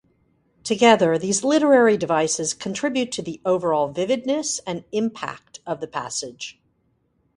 Together, these literary devices contribute to the overall vividness and impact of the passage.